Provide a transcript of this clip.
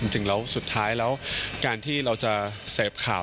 จริงแล้วสุดท้ายแล้วการที่เราจะเสพข่าว